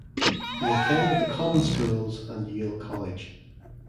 He attended the common schools and Yale College.